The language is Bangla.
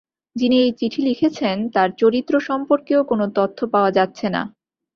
যিনি এই চিঠি লিখেছেন, তাঁর চরিত্র সম্পর্কেও কোনো তথ্য পাওয়া যাচ্ছে না।